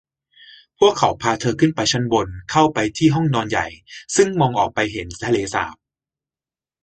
พวกเขาพาเธอขึ้นไปชั้นบนเข้าไปที่ห้องนอนใหญ่ซึ่งมองออกไปเห็นทะเลสาบ